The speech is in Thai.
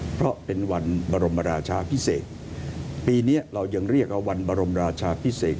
เพราะเป็นวันบรมราชาพิเศษปีนี้เรายังเรียกว่าวันบรมราชาพิเศษ